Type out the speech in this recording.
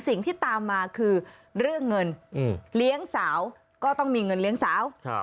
สิ่งที่ตามมาคือเรื่องเงินเลี้ยงสาวก็ต้องมีเงินเลี้ยงสาว